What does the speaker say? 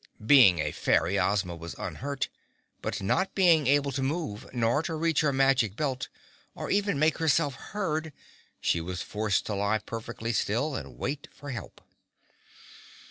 Being a fairy, Ozma was unhurt, but not being able to move, nor to reach her Magic Belt or even make herself heard, she was forced to lie perfectly still and wait for help.